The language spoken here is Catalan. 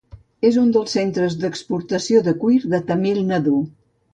És un dels centres d'exportació de cuir de Tamil Nadu.